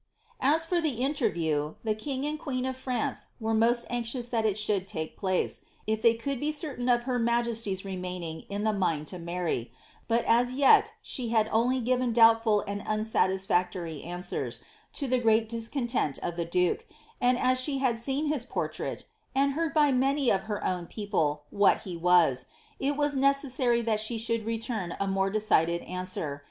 "' A3 for the interview, the king and queen of France were most ansinus that it should lake place, if they could be certain of her majesty's re maining in tlie mind to many ; but as yet she had only given douhiful and UM satisfactory answers, to the great discontent of ihe duke, and u she had seen his portrait, and heard by many of her own people whai he was, it was necessary that she should return a more decided answer.